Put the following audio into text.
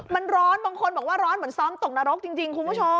มันร้อนบางคนบอกว่าร้อนเหมือนซ้อมตกนรกจริงคุณผู้ชม